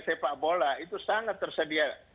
sepak bola itu sangat tersedia